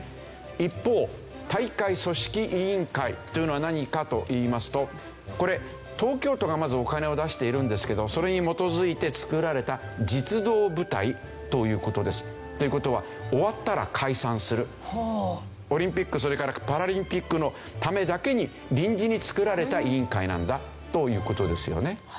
一方大会組織委員会というのは何かといいますとこれ東京都がまずお金を出しているんですけどそれに基づいて作られた実動部隊という事です。という事はオリンピックそれからパラリンピックのためだけに臨時に作られた委員会なんだという事ですよね。